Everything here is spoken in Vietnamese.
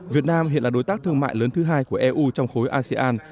việt nam hiện là đối tác thương mại lớn thứ hai của eu trong khối asean